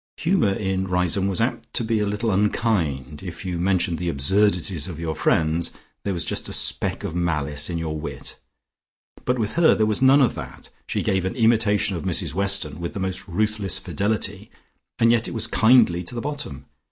Humour in Riseholme was apt to be a little unkind; if you mentioned the absurdities of your friends, there was just a speck of malice in your wit. But with her there was none of that, she gave an imitation of Mrs Weston with the most ruthless fidelity, and yet it was kindly to the bottom.